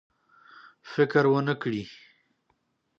فکر ونه کړي.